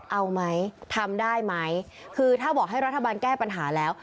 เอาไหมทำได้ไหมคือถ้าบอกให้รัฐบาลแก้ปัญหาแล้ว